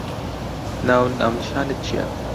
ناو و ناونیشانت چییە؟